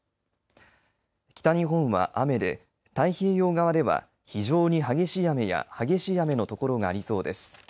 北日本は雨で、太平洋側では非常に激しい雨や激しい雨の所がありそうです。